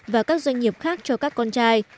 và các doanh nghiệp khác cho các tổng thống